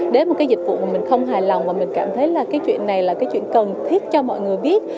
đến một cái dịch vụ mà mình không hài lòng và mình cảm thấy là cái chuyện này là cái chuyện cần thiết cho mọi người biết